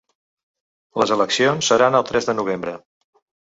Les eleccions seran el tres de novembre.